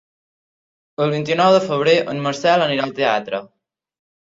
El vint-i-nou de febrer en Marcel anirà al teatre.